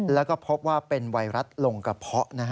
แล้วก็พบว่าเป็นไวรัสลงกระเพาะ